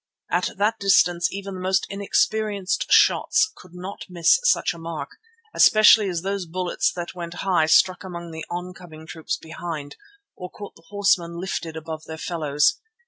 At that distance even the most inexperienced shots could not miss such a mark, especially as those bullets that went high struck among the oncoming troops behind, or caught the horsemen lifted above their fellows.